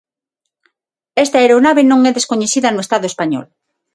Esta aeronave non é descoñecida no Estado español.